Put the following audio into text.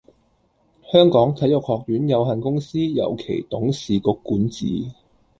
香港體育學院有限公司由其董事局管治